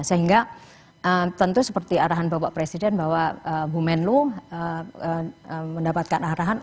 sehingga tentu seperti arahan bapak presiden bahwa bu menlu mendapatkan arahan